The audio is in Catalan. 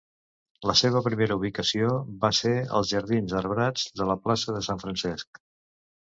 La seva primera ubicació va ser als jardins arbrats de la plaça de Sant Francesc.